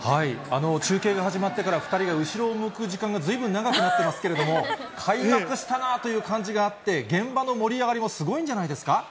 中継が始まってから２人が後ろを向く時間がずいぶん長くなってますけれども、開幕したなという感じがあって、現場の盛り上がりもすごいんじゃないですか。